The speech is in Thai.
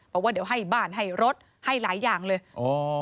บอกว่าเดี๋ยวให้บ้านให้รถให้หลายอย่างเลยอ๋อ